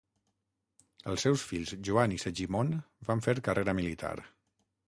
Els seus fills Joan i Segimon van fer carrera militar.